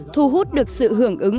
thu hút được sự hưởng ứng